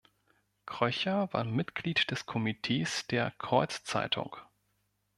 Kröcher war Mitglied des Komitees der Kreuzzeitung.